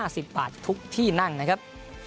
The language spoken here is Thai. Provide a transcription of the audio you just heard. สวัสดีครับ